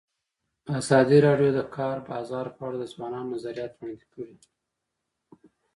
ازادي راډیو د د کار بازار په اړه د ځوانانو نظریات وړاندې کړي.